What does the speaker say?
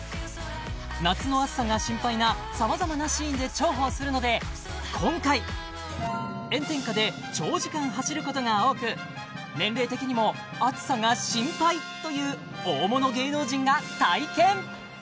夏の暑さが心配なさまざまなシーンで重宝するので今回炎天下で長時間走ることが多く年齢的にも暑さが心配という大物芸能人が体験！